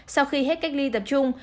sau khi hết cách ly tập trung